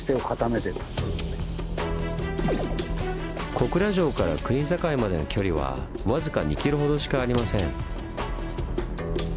小倉城から国境までの距離は僅か２ｋｍほどしかありません。